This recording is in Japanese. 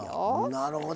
なるほど。